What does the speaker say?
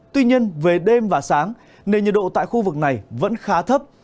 tuy nhiên về đêm và sáng nền nhiệt độ tại khu vực này vẫn khá thấp